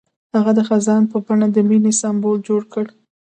هغه د خزان په بڼه د مینې سمبول جوړ کړ.